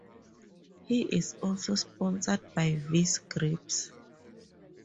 He is also sponsored by Vise Grips.